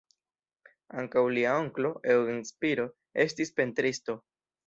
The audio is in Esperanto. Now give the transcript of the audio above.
Ankaŭ lia onklo, Eugen Spiro estis pentristo.